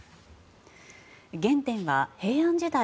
原点は平安時代。